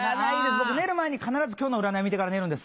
僕寝る前に必ず今日の占い見てから寝るんです。